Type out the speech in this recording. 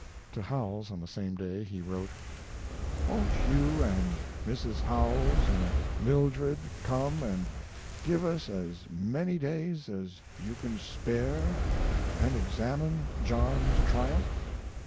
To Howells, on the same day, he wrote: Won't you & Mrs. Howells & Mildred come & give us as many days as you can spare & examine John's triumph?